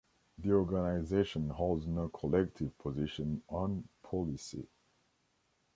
The organisation holds no collective position on policy.